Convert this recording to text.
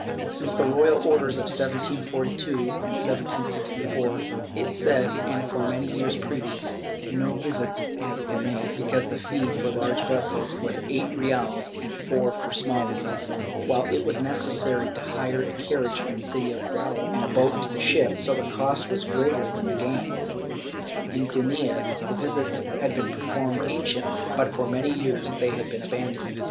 Since the royal orders of 1742 and 1764, it said, and for many years previous, no visits had been made, because the fee for large vessels was eight reales and four for small ones, while it was necessary to hire a carriage from the city to the Grao and a boat to the ship, so the cost was greater than the gain. In Denia the visits had been performed anciently, but for many years they had been abandoned.